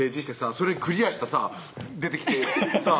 それにクリアしたさ出てきてさ